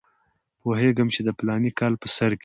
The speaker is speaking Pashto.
پوهېږم چې د فلاني کال په سر کې.